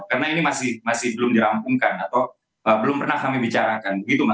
karena ini masih belum dirampungkan atau belum pernah kami bicarakan begitu mas